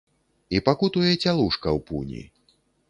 І пакутуе цялушка ў пуні.